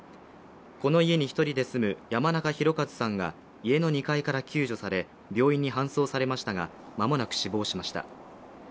この家に１人で住む山中宏一さんが家の２階から救助され、病院に搬送されましたが間もなく死亡しました。